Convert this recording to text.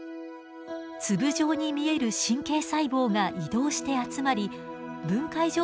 粒状に見える神経細胞が移動して集まり分界条